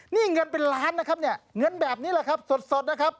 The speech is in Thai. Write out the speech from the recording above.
นี่เงินเป็นล้านนะครับเนี่ยเงินแบบนี้แหละครับสดนะครับ